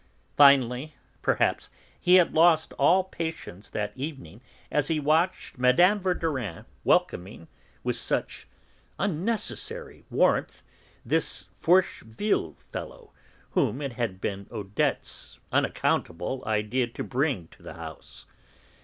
Finally, perhaps, he had lost all patience that evening as he watched Mme. Verdurin welcoming, with such unnecessary warmth, this Forcheville fellow, whom it had been Odette's unaccountable idea to bring to the house.